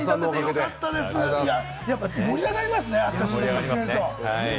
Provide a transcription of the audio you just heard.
やっぱり盛り上がりますね、決めると。